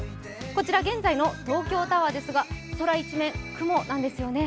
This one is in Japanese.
こちら現在の東京タワーですが、空一面、雲なんですよね。